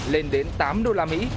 lên đến tám đô la mỹ